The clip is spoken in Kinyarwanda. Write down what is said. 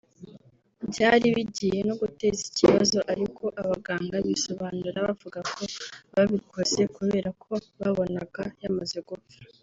Byari bigiye no guteza ikibazo ariko abaganga bisobanura bavuga ko babikoze kubera ko babonaga yamaze gupfa